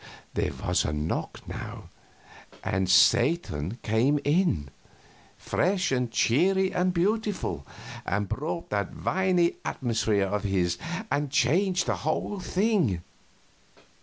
There was a knock, now, and Satan came in, fresh and cheery and beautiful, and brought that winy atmosphere of his and changed the whole thing.